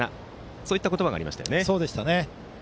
そういった言葉がありましたね。